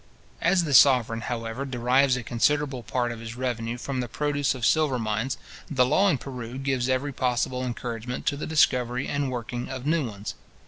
As the sovereign, however, derives a considerable part of his revenue from the produce of silver mines, the law in Peru gives every possible encouragement to the discovery and working of new ones.